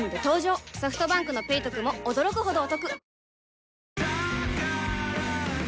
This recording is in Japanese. ソフトバンクの「ペイトク」も驚くほどおトク